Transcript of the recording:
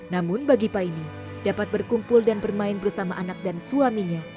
namun bagi paine dapat berkumpul dan bermain bersama anak dan suaminya